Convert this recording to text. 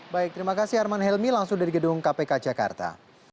baik terima kasih arman helmi langsung dari gedung kpk jakarta